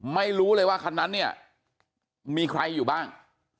ไม่รู้เลยว่าคันนั้นเนี่ยมีใครอยู่บ้าง